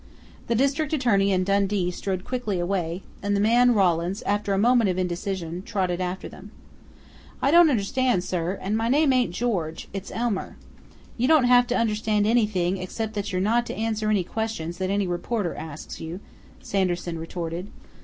The district attorney and Dundee strode quickly away, and the man, Rawlins, after a moment of indecision, trotted after them. "I don't understand, sir, and my name ain't George. It's Elmer." "You don't have to understand anything, except that you're not to answer any question that any reporter asks you," Sanderson retorted.